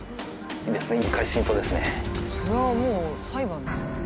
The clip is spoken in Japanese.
そりゃもう裁判ですよ。